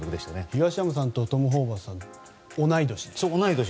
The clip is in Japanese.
東山さんとトム・ホーバスさんは同い年と。